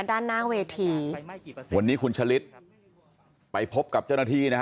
ด้านหน้าเวทีวันนี้คุณชะลิดไปพบกับเจ้าหน้าที่นะฮะ